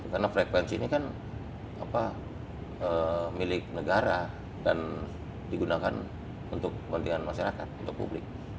karena frekuensi ini kan milik negara dan digunakan untuk kepentingan masyarakat untuk publik